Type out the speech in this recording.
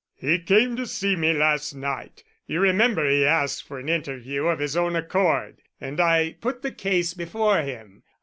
"He came to see me last night you remember he asked for an interview of his own accord and I put the case before him.